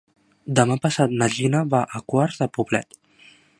Demà passat na Gina va a Quart de Poblet.